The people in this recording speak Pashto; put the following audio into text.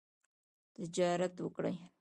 تجارت وکړئ